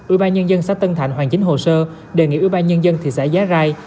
ủy ban nhân dân xã tân thạnh hoàn chính hồ sơ đề nghị ủy ban nhân dân thị xã giá rai